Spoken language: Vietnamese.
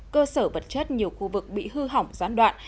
cơ sở vật chất nhiều khu vực bị hư hỏng gián đoạn